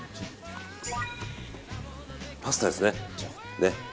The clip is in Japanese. パスタですね。